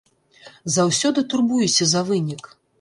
Заўсёды турбуюся за вынік.